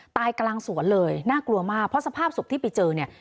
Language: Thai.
กลางสวนเลยน่ากลัวมากเพราะสภาพศพที่ไปเจอเนี่ย